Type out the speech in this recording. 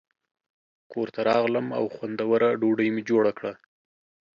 کور ته راغلم او خوندوره ډوډۍ مې جوړه کړه.